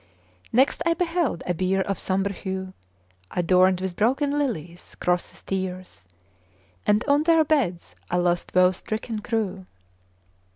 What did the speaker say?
Next I beheld a bier of sombre hue Adorned with broken lilies; crosses, tears; And on their beds a lost woe stricken crew.